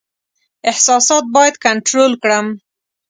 احساسات باید کنټرول کړم.